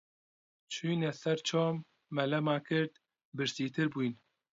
چووینە سەر چۆم، مەلەمان کرد، برسیتر بووین